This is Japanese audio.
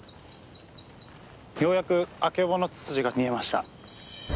ようやくアケボノツツジが見えました！